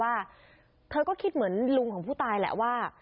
ว่าเธอก็คิดเหมือนลุงของผู้ตายแหละว่า